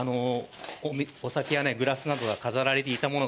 お酒やグラスが飾られていたもの